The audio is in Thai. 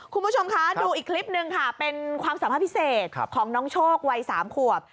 คุณผู้ชมคะดูอีกคลิปหนึ่งค่ะเป็นความสามารถพิเศษของน้องโชควัย๓ขวบ